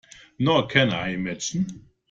Nor can I imagine.